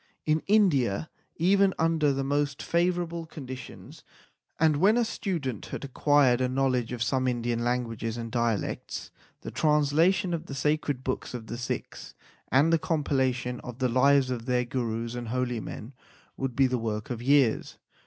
In India, even under the most favourable con ditions, and when a student had acquired a knowledge of some Indian languages and dialects, the translation of the sacred books of the Sikhs, and the compilation of the lives of their Gurus and holy men, would be the work of years.